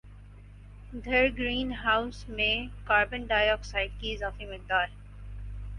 دھر greenhouse میں carbon dioxide کی اضافی مقدار